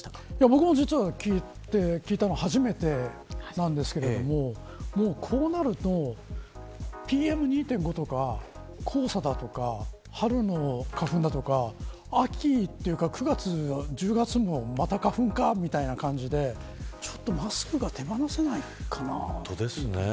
僕も実は聞いたの初めてなんですけどこうなるとＰＭ２．５とか黄砂だとか春の花粉だとか９月、１０月もまた花粉かというような感じでちょっとマスクが手放せないかなという感じですね。